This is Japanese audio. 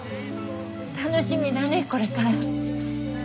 楽しみだねこれから。